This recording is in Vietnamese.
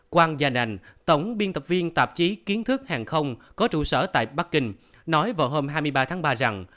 quang gia đình tổng biên tập viên tạp chí kiến thức hàng không có trụ sở tại bắc kinh nói vào hôm hai mươi ba tháng ba rằng